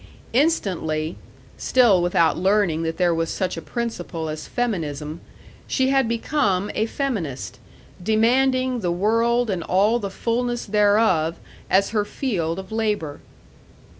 Instantly still without learning that there was such a principle as feminism she had become a feminist, demanding the world and all the fullness thereof as her field of labor.